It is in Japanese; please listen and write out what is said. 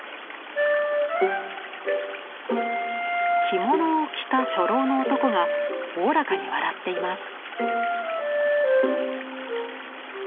着物を着た初老の男がおおらかに笑っています。